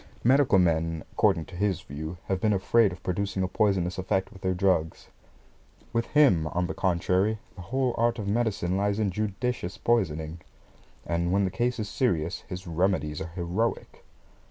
Medical men, according to his view, have been afraid of producing a poisonous effect with their drugs. With him, on the contrary, the whole art of medicine lies in judicious poisoning, and when the case is serious, his remedies are heroic.